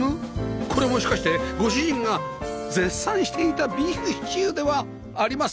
これもしかしてご主人が絶賛していたビーフシチューではありませんか？